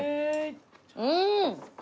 うん！